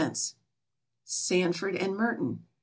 Sandford and Merton.